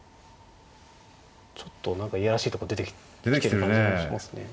ちょっと何か嫌らしいとこ出てきてる感じもしますね。